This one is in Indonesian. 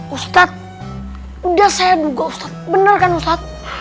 ustaz udah saya duga ustaz bener kan ustaz